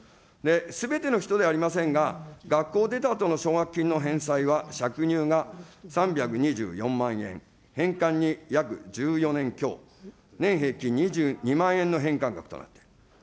すべての人ではありませんが、学校出たあとの奨学金の返済は借入が３２４万円、返還に約１４年強、年平均２２万円の返還額となっています。